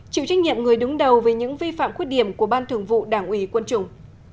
chịu trách nhiệm người đứng đầu về những vi phạm khuyết điểm của ban thường vụ đảng ủy quân chủng